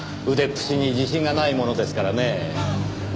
腕っ節に自信がないものですからねぇ。